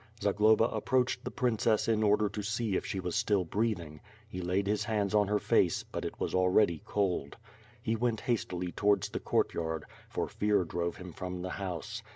Zagloba approached the princess in order to see if she was still breathing. He laid his hands on her face but it was already cold. He went hastily towards the courtyard, for fear drove him from the house.